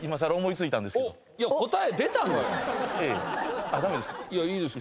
いや答え出たんですよ。